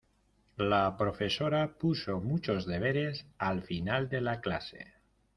La profesora puso muchos deberes al final de la clase.